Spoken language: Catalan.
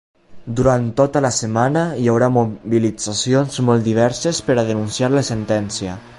Durant tota la setmana hi haurà mobilitzacions molt diverses per a denunciar la sentència.